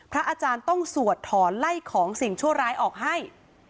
พระอาจารย์ต้องสวดถอนไล่ของสิ่งชั่วร้ายออกให้